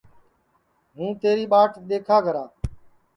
ہُوں تیری ٻاٹ دؔیکھا کرا